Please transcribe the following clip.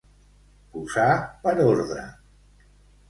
Posar per ordre.